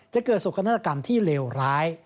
จะเกิดสุขธนธกรรมที่เลวร้าย